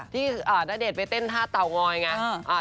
ณเดชน์ไปเต้นท่าเตางอยไง